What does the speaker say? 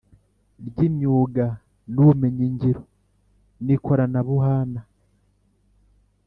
ryimyuga n’Ubumenyingiro ni koranabuhanag